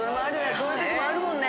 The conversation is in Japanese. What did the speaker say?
そういう時もあるもんね。